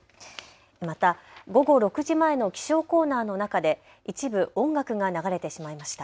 また午後６時前の気象コーナーの中で一部音楽が流れてしまいました。